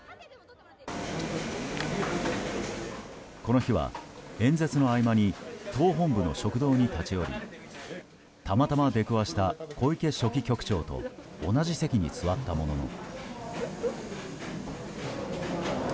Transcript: この日は、演説の合間に党本部の食堂に立ち寄りたまたま出くわした小池書記局長と同じ席に座ったものの。